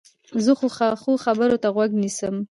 زه ښو خبرو ته غوږ نیسم.